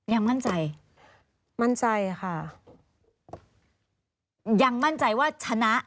ยังมั่นใจมั่นใจค่ะยังมั่นใจว่าชนะ